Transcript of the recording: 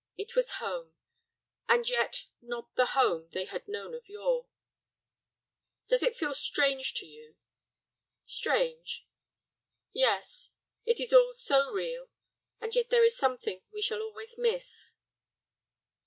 It was home, and yet not the home they had known of yore. "Does it feel strange to you?" "Strange?" "Yes, it is all so real, and yet there is something we shall always miss."